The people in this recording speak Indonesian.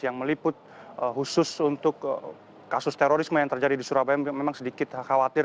yang meliput khusus untuk kasus terorisme yang terjadi di surabaya memang sedikit khawatir